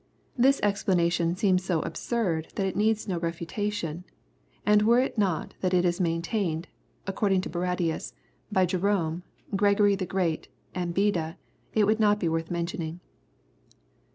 This explanation seems so absurd that it needs no refutation, and were it not that it is maintained (according to Barradius,) by Jerome, Gregory the Great, and Beda, it would not be worth mentioning.